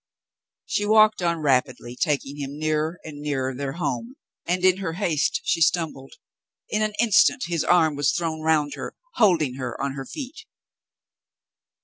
She walked on rapidly, taking him nearer and nearer their home, and in her haste she stumbled. In an instant his arm was thrown around her, holding her on her feet.